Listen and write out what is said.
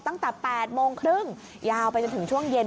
ตั้งแต่๘โมงครึ่งยาวไปจนถึงช่วงเย็น